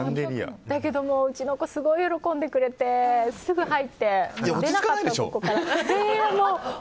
だけど、うちの子すごい喜んでくれてすぐ入って出なかったの。